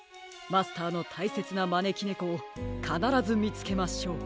マスターのたいせつなまねきねこをかならずみつけましょう！